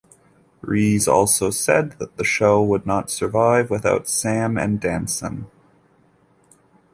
Rees also said that the show would not survive without Sam and Danson.